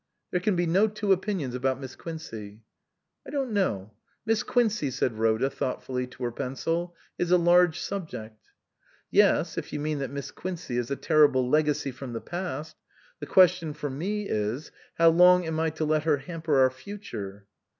"There can be no two opinions about Miss Quincey." " I don't know. Miss Quincey," said Rhoda thoughtfully to her pencil, " is a large subject." " Yes ; if you mean that Miss Quincey is a terrible legacy from the past. The question for me is how long am I to let her hamper our future